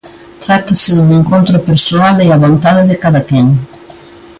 Trátase dun encontro persoal e á vontade de cada quen.